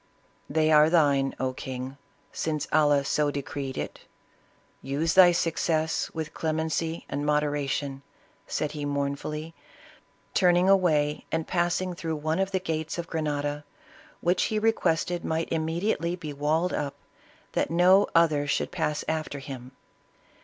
"They are thine, oh king, since Allah so decreed it; use thy success with clemency and moderation," said he mournfully, turning away and passing through one of the gates of Grenada, which he requested might immediately be walled up, that no other should pass after him.